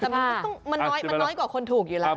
แต่มันน้อยกว่าคนถูกอยู่แล้ว